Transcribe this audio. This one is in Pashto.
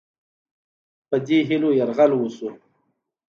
په دې هیلو یرغل وشو.